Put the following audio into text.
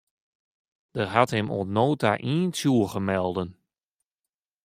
Der hat him oant no ta ien tsjûge melden.